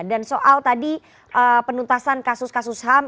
dan soal tadi penuntasan kasus kasus ham